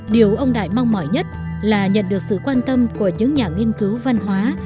điều ông đại mong mỏi nhất là nhận được sự quan tâm của những nhà nghiên cứu văn hóa